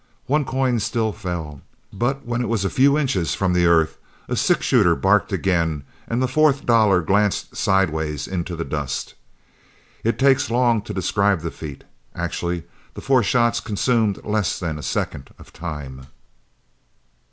One coin still fell, but when it was a few inches from the earth a six shooter barked again and the fourth dollar glanced sidewise into the dust. It takes long to describe the feat. Actually, the four shots consumed less than a second of time.